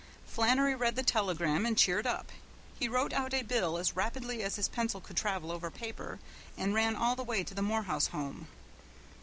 Flannery read the telegram and cheered up. He wrote out a bill as rapidly as his pencil could travel over paper and ran all the way to the Morehouse home.